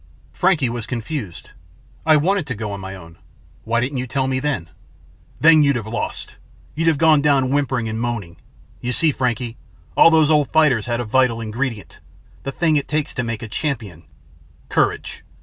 Frankie was confused. "I wanted to go on my own. Why didn't you tell me then?" "Then you'd have lost. You'd have gone down whimpering and moaning. You see, Frankie, all those old fighters had a vital ingredient the thing it takes to make a champion courage."